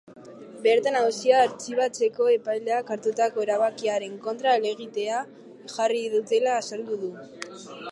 Bertan, auzia artxibatzeko epaileak hartutako erabakiaren kontra helegitea jarri dutela azaldu du.